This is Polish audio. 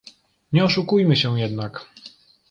Nie oszukujmy się jednak